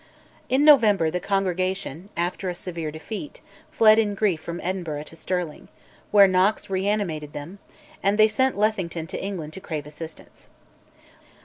In November the Congregation, after a severe defeat, fled in grief from Edinburgh to Stirling, where Knox reanimated them, and they sent Lethington to England to crave assistance.